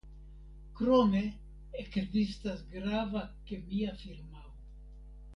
Krome ekzistas grava kemia firmao.